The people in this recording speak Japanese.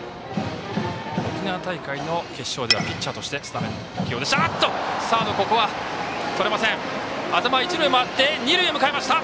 沖縄大会の決勝ではピッチャーとしてスタメンでした。